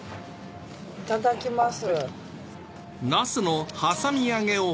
いただきます。